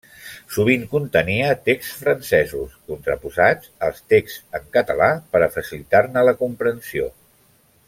Sovint contenia texts francesos contraposats als texts en català per a facilitar-ne la comprensió.